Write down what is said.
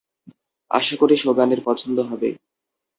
আশা করি সোগানের পছন্দ হবে।